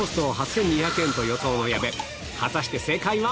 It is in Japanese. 果たして正解は？